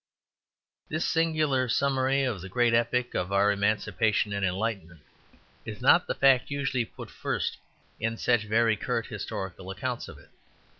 This singular summary of the great epoch of our emancipation and enlightenment is not the fact usually put first in such very curt historical accounts of it.